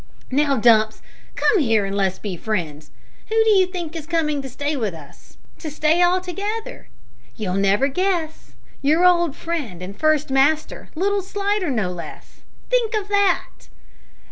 "Now, Dumps, come here and let's be friends. Who do you think is coming to stay with us to stay altogether? You'll never guess. Your old friend and first master, little Slidder, no less. Think of that!"